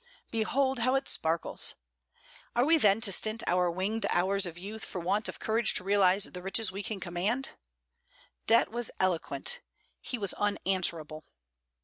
Behold how it sparkles! Are we then to stint our winged hours of youth for want of courage to realize the riches we can command? Debit was eloquent, he was unanswerable.